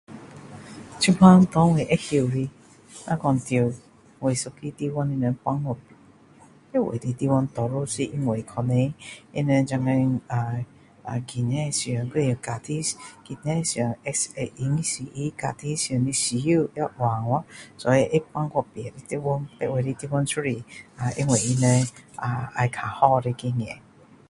现在给我知道的如果说住每一个地方你们搬去别的地方多数是因为可能他们现在啊经济上还是家庭上经济上会允许他家庭上的需要也换掉所以会搬去别的地方别的地方都是因为他们啊要比较好的经验